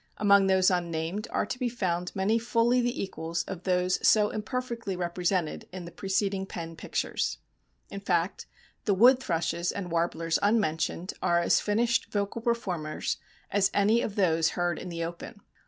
Among those unnamed are to be found many fully the equals of those so imperfectly represented in the preceding pen pictures. In fact, the wood thrushes and warblers unmentioned are as finished vocal performers as any of those heard in the open.